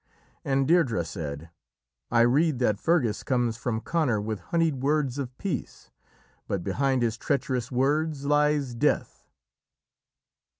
And Deirdrê said: "I read that Fergus comes from Conor with honeyed words of peace, but behind his treacherous words lies death."